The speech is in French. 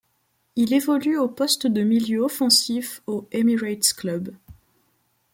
Il évolue au poste de milieu offensif au Emirates Club.